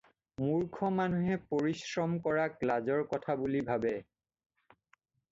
মূৰ্খ মানুহে পৰিশ্ৰম কৰাক লাজৰ কথা বুলি ভাবে।